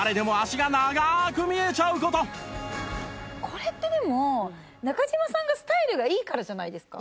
これってでも中島さんがスタイルがいいからじゃないですか？